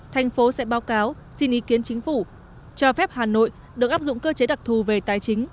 thành phố sẽ báo cáo xin ý kiến chính phủ cho phép hà nội được áp dụng cơ chế đặc thù về tài chính